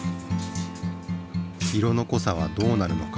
色のこさはどうなるのか？